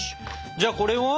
じゃあこれを？